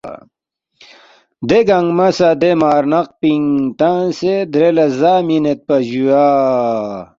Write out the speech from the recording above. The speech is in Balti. دے گنگمہ سہ دے مار نق پِنگ تنگسے درے لہ زا مِنیدپا جُویا